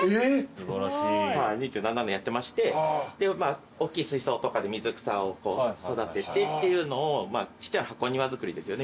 すごい。２７年やってましておっきい水槽とかで水草を育ててっていうのをちっちゃな箱庭作りですよね。